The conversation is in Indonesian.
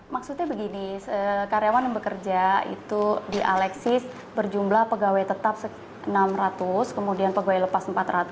maksudnya begini karyawan yang bekerja itu di alexis berjumlah pegawai tetap enam ratus kemudian pegawai lepas empat ratus